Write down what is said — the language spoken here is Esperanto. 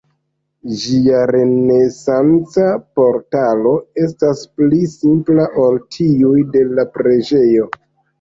Ĝia renesanca portalo estas pli simpla ol tiuj de la preĝejo.